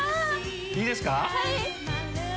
いいですか？